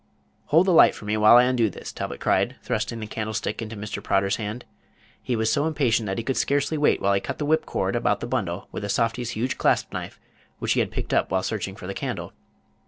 "Hold the light for me while I undo this," Talbot cried, thrusting the candlestick into Mr. Prodder's hand. He was so impatient that he could scarcely wait while he cut the whip cord about the bundle with the softy's huge clasp knife, which he had picked up while searching for the candle.